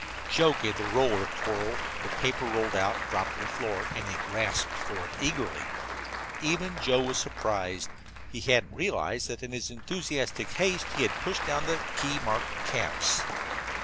Joe gave the roller a twirl, the paper rolled out, dropped to the floor, and he grasped for it eagerly. Even Joe was surprised. He hadn't realized that in his enthusiastic haste he had pushed down the key marked "caps."